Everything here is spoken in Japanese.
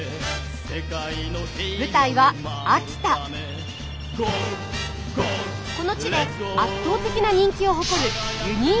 舞台はこの地で圧倒的な人気を誇るユニークなヒーローがいます。